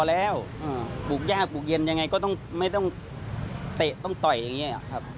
พอแล้วบุกยากบุกเย็นยังไงก็ไม่ต้องเตะต้องต่อยอย่างนี้